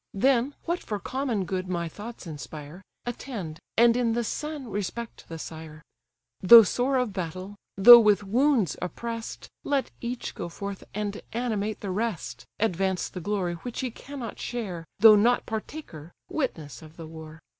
Then, what for common good my thoughts inspire, Attend, and in the son respect the sire. Though sore of battle, though with wounds oppress'd, Let each go forth, and animate the rest, Advance the glory which he cannot share, Though not partaker, witness of the war.